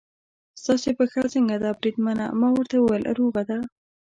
ستاسې پښه څنګه ده بریدمنه؟ ما ورته وویل: روغه ده.